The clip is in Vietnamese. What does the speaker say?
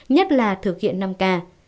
nhất là thực hiện năm ca